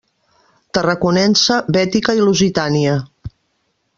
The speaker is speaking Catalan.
Tarraconense, Bètica i Lusitània.